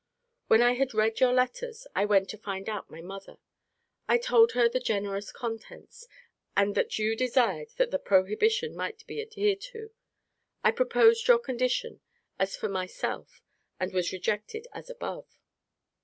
When I had read your letters, I went to find out my mother. I told her the generous contents, and that you desired that the prohibition might be adhered to. I proposed your condition, as for myself; and was rejected, as above.